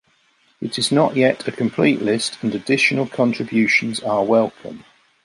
It is not yet a complete list and additional contributions are welcome.